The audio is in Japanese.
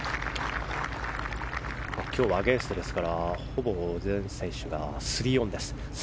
今日はアゲンストですからほぼ全選手が３オンです。